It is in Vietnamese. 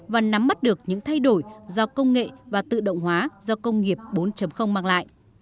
và nắm mắt được những thay đổi do công nghệ và tự động hóa do công nghiệp bốn mang lại